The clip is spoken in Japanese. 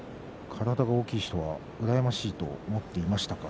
体が大きい人は羨ましいと思っていましたか？